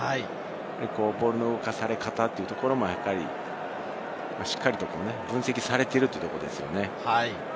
ボールの動かされ方もやはり、しっかりと分析されているということですよね。